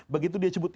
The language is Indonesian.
begitu dia sebut